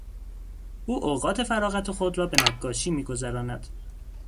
او اوقات فراغت خود را به نقاشی میگذراند.